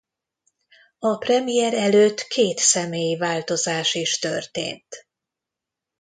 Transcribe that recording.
A premier előtt két személyi változás is történt.